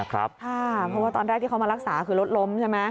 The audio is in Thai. เพราะว่าตอนแรกที่เขามารักษาคือรถล้มใช่ไหม